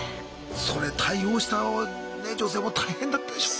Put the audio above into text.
それ対応した女性も大変だったでしょう。